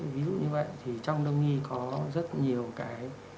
ví dụ như vậy thì trong đông y có rất nhiều cái